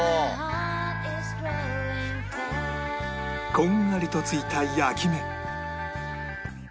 こんがりとついた焼き目